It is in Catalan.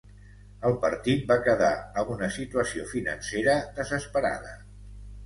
El partit va quedar a una situació financera desesperada.